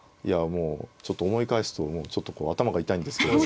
もうちょっと思い返すともうちょっと頭が痛いんですけど。